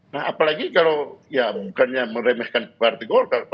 nah apalagi kalau ya bukannya meremehkan partai golkar